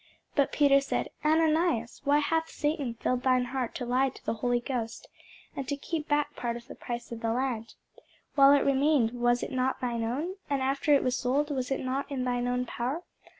But Peter said, Ananias, why hath Satan filled thine heart to lie to the Holy Ghost, and to keep back part of the price of the land? While it remained, was it not thine own? and after it was sold, was it not in thine own power?